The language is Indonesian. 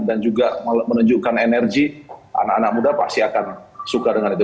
dan juga menunjukkan energi anak anak muda pasti akan suka dengan itu